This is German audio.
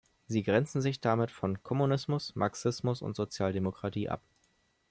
Sie grenzen sich damit von Kommunismus, Marxismus und Sozialdemokratie ab.